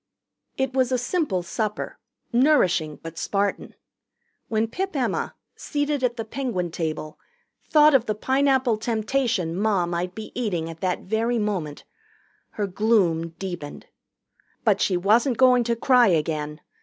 It was a simple supper, nourishing but Spartan. When Pip Emma, seated at the Penguin table, thought of the Pineapple Temptation Ma might be eating at that very moment, her gloom deepened. But she wasn't going to cry again.